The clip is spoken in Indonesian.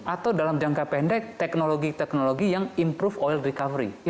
atau dalam jangka pendek teknologi teknologi yang improve oil recovery